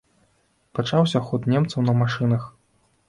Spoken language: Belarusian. Пачаўся ход немцаў на машынах.